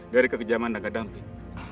dari kekejaman dan ke dampik